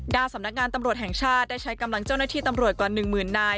สำนักงานตำรวจแห่งชาติได้ใช้กำลังเจ้าหน้าที่ตำรวจกว่า๑หมื่นนาย